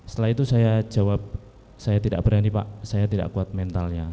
setelah itu saya jawab saya tidak berani pak saya tidak kuat mentalnya